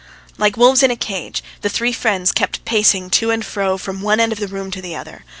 Like wolves in a cage, the three friends kept pacing to and fro from one end of the room to the other.